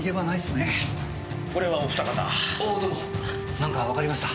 何かわかりました？